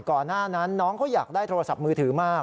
ก่อนหน้านั้นน้องเขาอยากได้โทรศัพท์มือถือมาก